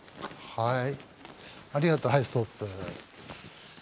はい。